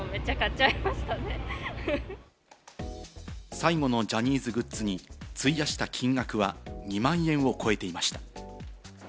最後のジャニーズグッズに費やした金額は２万円を超えていました。